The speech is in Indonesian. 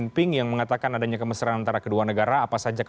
pak dubes apa kabar sehat